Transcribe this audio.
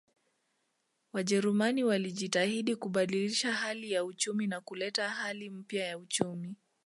Wajerumani walijitahidi kubadilisha hali ya uchumi na kuleta hali mpya ya uchumi